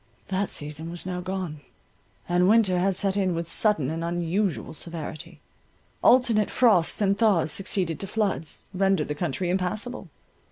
That season was now gone; and winter had set in with sudden and unusual severity. Alternate frosts and thaws succeeding to floods, rendered the country impassable.